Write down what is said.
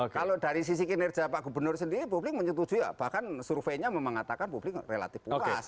kalau dari sisi kinerja pak gubernur sendiri publik menyetujui bahkan surveinya mengatakan publik relatif puas